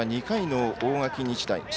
２回の大垣日大。